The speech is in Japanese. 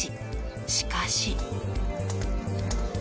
しかし。